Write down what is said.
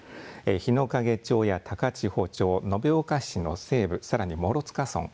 日之影町や高千穂町延岡市の西部さらに諸塚村